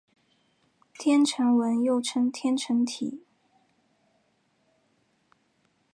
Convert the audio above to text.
天城文又称天城体。